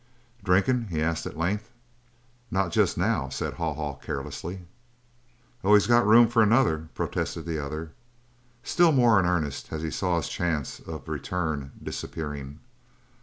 "Drinkin'?" he asked at length. "Not jest now," said Haw Haw carelessly. "Always got room for another," protested the other, still more in earnest as he saw his chance of a return disappearing.